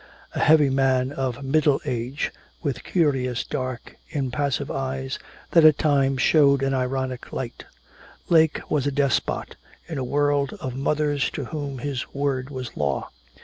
A heavy man of middle age, with curious dark impassive eyes that at times showed an ironic light, Lake was a despot in a world of mothers to whom his word was law.